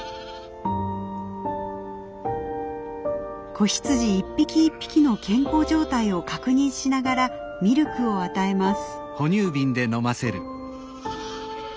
子羊一匹一匹の健康状態を確認しながらミルクを与えます。